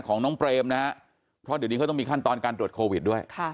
ของน้องเปรมนะฮะเพราะเดี๋ยวนี้เขาต้องมีขั้นตอนการตรวจโควิดด้วย